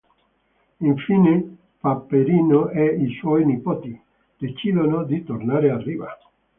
Infine Paperino e i suoi nipoti, decidono di tornare a riva.